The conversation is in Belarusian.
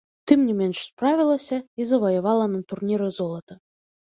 Тым не менш справілася і заваявала на турніры золата.